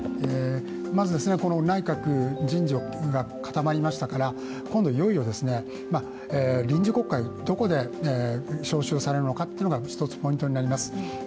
まず内閣、人事が固まりましたから今度いよいよ、臨時国会どこで召集されるのかというのが一つポイントになります。